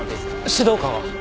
指導官は？